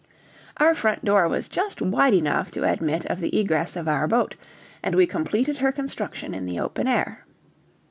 Our front door was just wide enough to admit of the egress of our boat, and we completed her construction in the open air.